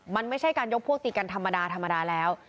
มันไม่ใช่การยกพวกตีกันธรรมดาธรรมดาแล้ว